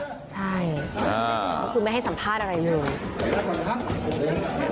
ใช่ก็คือไม่ให้สัมภาษณ์อะไรเลย